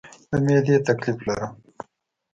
د معدې تکلیف لرم